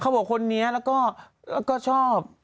บอกคนนี้แล้วก็ชอบ